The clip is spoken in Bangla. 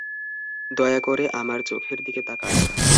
দয়া করে আমার চোখের দিকে তাকান।